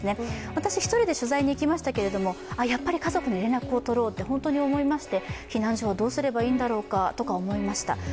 私、１人で取材に行きましたけれどやっぱり家族に連絡をとろうって本当に思いまして、避難所はどうすればいいんだろうかとか思いました。